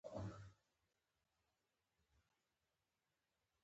د افغانستان طبیعت له بادامو څخه جوړ شوی دی.